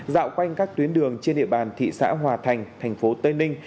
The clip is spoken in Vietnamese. dạo quanh các tuyến đường trên địa bàn thị xã hòa thành thành phố tây ninh